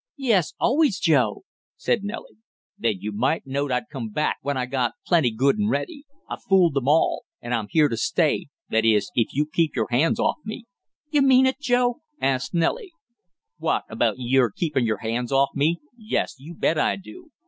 "Yes, always, Joe," said Nellie. "Then you might know'd I'd come back when I got plenty good and ready. I fooled 'em all, and I'm here to stay that is if you keep your hands off me!" "You mean it, Joe?" asked Nellie. "What? About your keepin' your hands off me? Yes, you bet I do!"